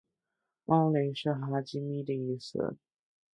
猫雷是哈基米的意思